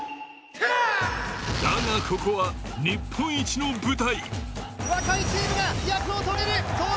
だが、ここは日本一の舞台。